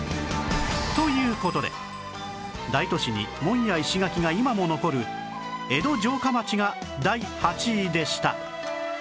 という事で大都市に門や石垣が今も残る江戸城下町が第８位でした